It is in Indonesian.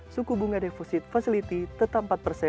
suku bunga deposit facility tetap empat